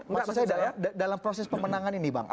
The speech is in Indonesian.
maksud saya dalam proses pemenangan ini bang